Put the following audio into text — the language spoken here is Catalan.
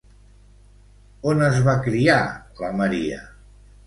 On es va criar, la Maria?